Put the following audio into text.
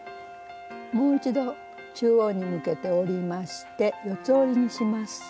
もう一度中央に向けて折りまして四つ折りにします。